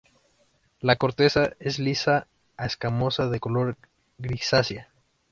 La corteza es lisa a escamosa de color grisácea.